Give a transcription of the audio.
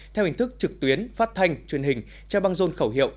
theo hình thức trực tuyến phát thanh truyền hình trang băng rôn khẩu hiệu